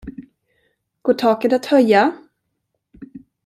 Går taket att höja?